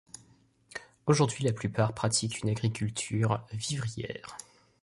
Aujourd'hui la plupart pratiquent une agriculture vivrière.